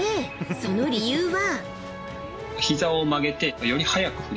その理由は。